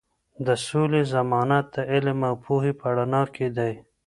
د سولې ضمانت د علم او پوهې په رڼا کې دی.